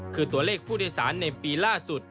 คือตัวเลขผู้โดยสารในปีล่าสุด